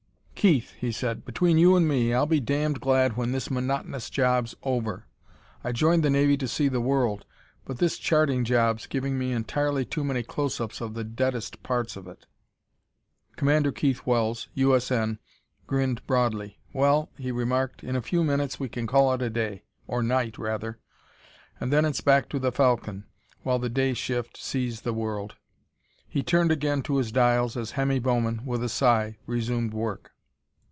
"Keith," he said, "between you and me, I'll be damned glad when this monotonous job's over. I joined the Navy to see the world, but this charting job's giving me entirely too many close ups of the deadest parts of it!" Commander Keith Wells. U. S. N., grinned broadly. "Well," he remarked, "in a few minutes we can call it a day or night, rather and then it's back to the Falcon while the day shift 'sees the world.'" He turned again to his dials as Hemmy Bowman, with a sigh, resumed work.